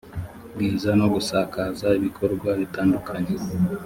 bwiza no gusakaza ibikorwa bitandukanye